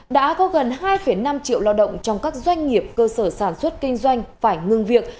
đã có gần hai năm triệu lao động trong các doanh nghiệp cơ sở sản xuất kinh doanh phải ngừng việc